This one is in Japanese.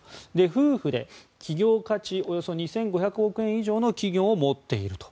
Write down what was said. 夫婦で企業価値およそ２５００億円以上の企業を持っていると。